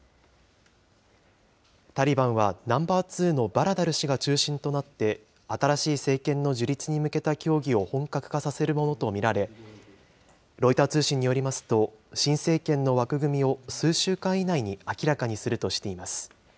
タリバンはナンバー・ツーのバラダル師が中心となって、新しい政権の樹立に向けた協議を本格化させるものと見られ、ロイター通信によりますと、新政権の枠組みを数週間以内に明らかにするとしています。